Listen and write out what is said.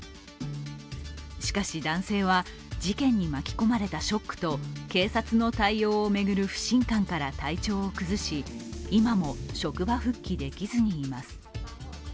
しかし、男性は事件に巻き込まれたショックと警察の対応を巡る不信感から体調を崩し今も職場復帰できずにいます。